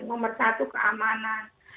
nomor satu keamanan